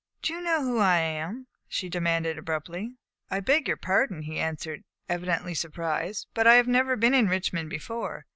"Do you know who I am?" she demanded abruptly. "I beg your pardon," he answered, evidently surprised, "but I have never been in Richmond before.